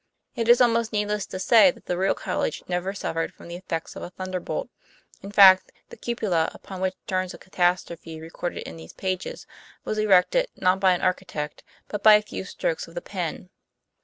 It is almost needless to say that the real college never suffered from the effects of a thunderbolt ; in fact, the "cupola," upon which turns a catastrophe recorded in these pages, was erected, not by an archi tect, but by a few strokes of the pen.